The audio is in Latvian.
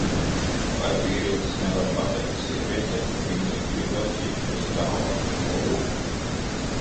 Vai vīrietis nevar pateikt sievietei, ka viņa ir pievilcīga bez tālāka nolūka?